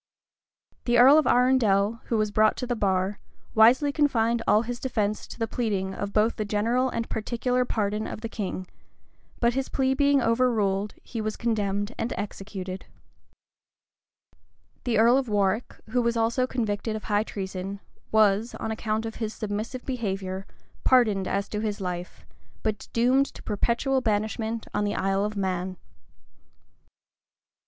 The earl of Arundel, who was brought to the bar, wisely confined all his defence to the pleading of both the general and particular pardon of the king; but his plea being overruled, he was condemned and executed.[] * Cotton, p. 368. Cotton, p 377. Froissard, liv. iv. chap. 90. Walsing. p. 354. The earl of Warwick, who was also convicted of high treason, was, on account of his submissive behavior, pardoned as to his life, but doomed to perpetual banishment in the Isle of Man.